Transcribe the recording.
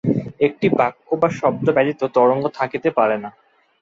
একটি বাক্য বা শব্দ ব্যতীত তরঙ্গ থাকিতে পারে না।